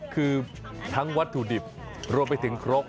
คือทั้งวัตถุดิบรวมไปถึงครก